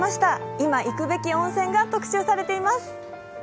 今、行くべき温泉が特集されています。